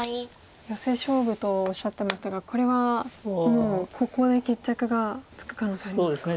ヨセ勝負とおっしゃってましたがこれはもうここで決着がつく可能性ありますか。